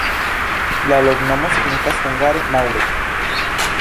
La loknomo signifas hungare: maŭro.